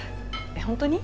本当に？